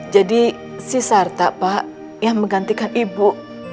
jadi si sarta pak yang menggantikan ibu